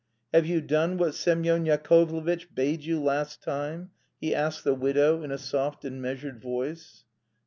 "Have you done what Semyon Yakovlevitch bade you last time?" he asked the widow in a soft and measured voice.